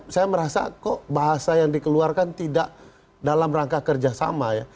saya merasa kok bahasa yang dikeluarkan tidak dalam rangka kerjasama ya